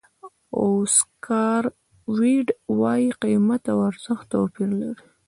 اوسکار ویلډ وایي قیمت او ارزښت توپیر لري.